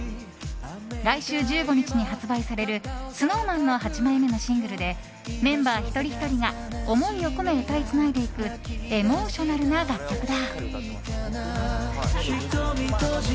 来週１５日に発売されるＳｎｏｗＭａｎの８枚目のシングルでメンバー一人ひとりが思いを込め歌いつないでいくエモーショナルな楽曲だ。